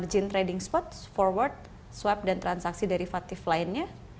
tidak boleh atas nama nasabatnya